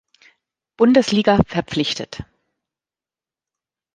Bundesliga verpflichtet.